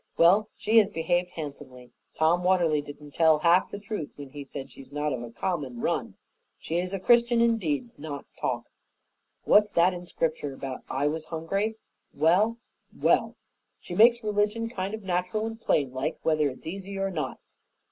Well, she has behaved handsomely. Tom Watterly didn't tell half the truth when he said she was not of the common run. She's a Christian in deeds, not talk. What's that in Scripture about 'I was hungry'? Well, well! She makes religion kind of natural and plain like, whether it's easy or not.